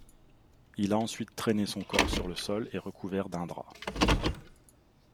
Il a ensuite traîné son corps sur le sol et recouvert d'un drap.